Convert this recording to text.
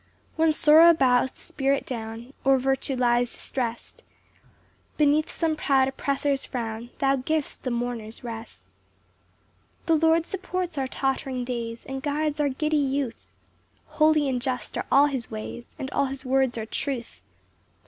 2 When sorrow bows the spirit down, Or virtue lies distrest Beneath some proud oppressor's frown, Thou giv'st the mourners rest. 3 The Lord supports our tottering days, And guides our giddy youth; Holy and just are all his ways, And all his words are truth.